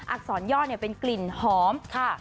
อักษรย่อเนี่ยเป็นกลิ่นหอม